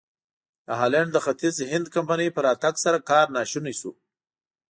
د هالنډ د ختیځ هند کمپنۍ په راتګ سره کار ناشونی شو.